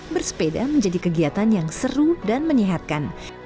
bersepeda menjadi kegiatan yang seru dan menyehatkan